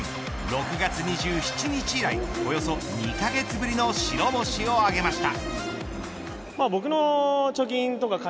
６月２７日以来およそ２カ月ぶりの白星を挙げました。